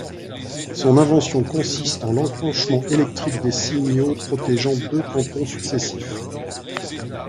Son invention consiste en l'enclenchement électrique des signaux protégeant deux cantons successifs.